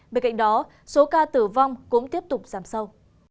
bên cạnh đó số ca tử vong cũng tiếp tục giảm sâu